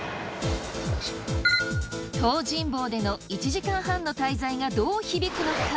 東尋坊での１時間半の滞在がどう響くのか。